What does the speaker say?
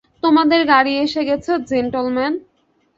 তোমাদের গাড়ি এসে গেছে, জেন্টলমেন।